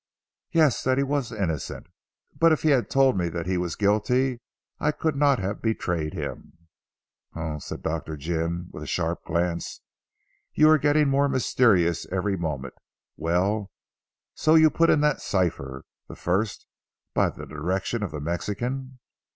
"Yes. That he was innocent. But if he had told me that he was guilty I could not have betrayed him." "Humph!" said Dr. Jim with a sharp glance, "you are getting more mysterious every moment. Well, so you put in that cipher the first by the direction of the Mexican?